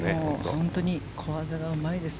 本当に小技がうまいです。